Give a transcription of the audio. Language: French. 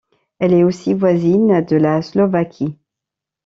Elle est aussi voisine de la Slovaquie.